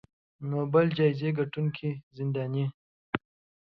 نوبل جایزې ګټونکې زنداني